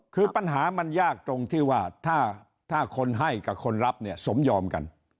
คือปัญหามันยากตรงที่ว่าถ้าคนให้กับคนรับเนี่ยสมยอมกัน